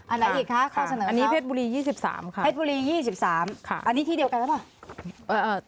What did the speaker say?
อันไหนอีกคะเขาเสนอครับอันนี้เพชรบุรี๒๓ค่ะอันนี้ที่เดียวกันแล้วป่ะ